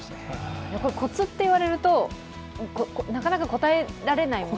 コツっていわれるとなかなか答えられないものですか。